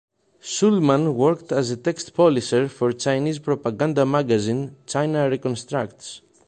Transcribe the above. Shulman worked as a text-polisher for Chinese propaganda magazine "China Reconstructs".